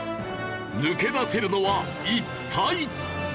抜け出せるのは一体？